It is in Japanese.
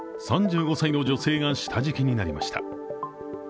３５歳の女性が下敷きになりました。